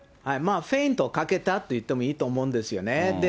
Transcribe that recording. フェイントをかけたといってもいいと思うんですよね。